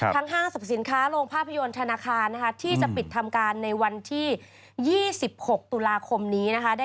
ห้างสรรพสินค้าโรงภาพยนตร์ธนาคารที่จะปิดทำการในวันที่๒๖ตุลาคมนี้นะคะ